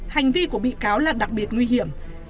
hành vi của bị cáo là đặc biệt nguy hiểm